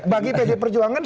bagi pd perjuangan